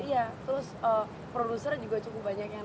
iya terus produser juga cukup banyak yang